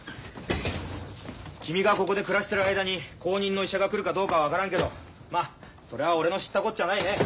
君がここで暮らしてる間に後任の医者が来るかどうかは分からんけどまあそれは俺の知ったこっちゃないね。